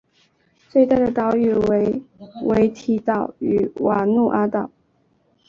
最大的岛屿为维提岛与瓦努阿岛。